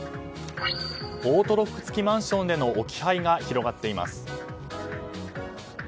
オートロック付きマンションでの置き配が広まっています。